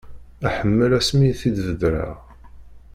Aḥemmel ass mi i t-id-bedreɣ.